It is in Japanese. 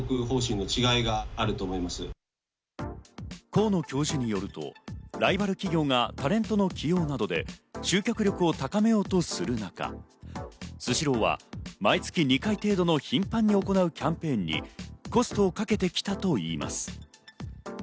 河野教授によると、ライバル企業がタレントの起用などで集客力を高めようとする中、スシローは毎月２回程度の頻繁に行うキャンペーンにコストをかけてきたといいます。